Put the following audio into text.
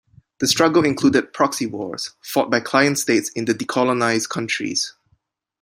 The struggle included proxy wars, fought by client states in the decolonised countries.